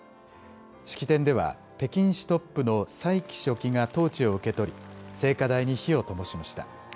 式典では、北京市トップの蔡奇書記がトーチを受け取り、聖火台に火をともしました。